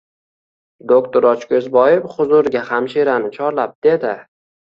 Doktor Ochko`zboev huzuriga hamshirani chorlab dedi